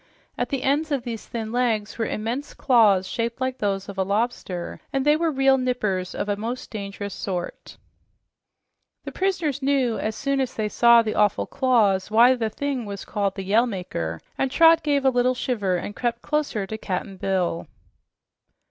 At the ends of these thin legs were immense claws shaped like those of a lobster, and they were real "nippers" of a most dangerous sort. The prisoners knew, as soon as they saw the awful claws, why the thing was called the "Yell Maker," and Trot gave a little shiver and crept closer to Cap'n Bill.